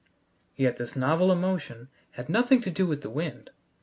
Yet this novel emotion had nothing to do with the wind.